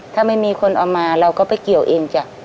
ถ้าไม่มีคนเอามาเราก็ไปเกี่ยวเองจ้ะ